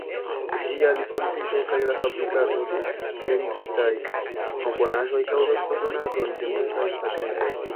Ĝia disvolviĝo kaj la fabrikado de derivitaj komponaĵoj kaŭzas eldonadon de multaj patentoj.